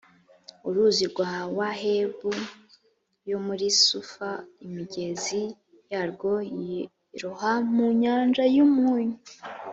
uruzi rwa wahebu yo muri sufa, n’imigezi yarwo yiroha mu nyanja y’umunyu.